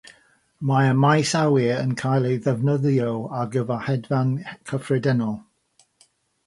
Mae'r maes awyr yn cael ei ddefnyddio ar gyfer hedfan cyffredinol.